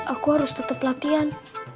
aku harus tetap latihan